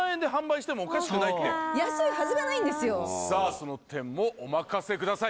その点もお任せください